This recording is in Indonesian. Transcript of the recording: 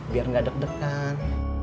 biar gak deg degan